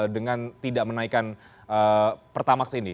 dengan tidak menaikkan pertamax ini